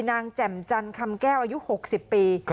แจ่มจันคำแก้วอายุ๖๐ปี